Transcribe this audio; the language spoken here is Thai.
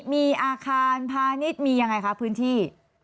มีอาคารพาณิชย์มียังไงคะพื้นที่